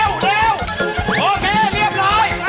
โอเคเรียบร้อย